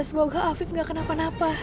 semoga afif gak kenapa napa